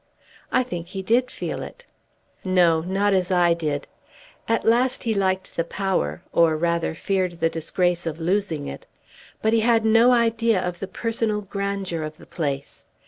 "I think he did feel it." "No; not as I did. At last he liked the power, or rather feared the disgrace of losing it. But he had no idea of the personal grandeur of the place.